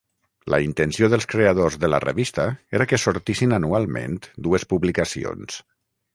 La intenció dels creadors de la revista era que sortissin anualment dues publicacions.